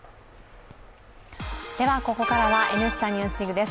では、ここからは「Ｎスタ・ＮＥＷＳＤＩＧ」です。